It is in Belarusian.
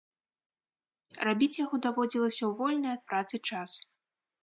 Рабіць яго даводзілася ў вольны ад працы час.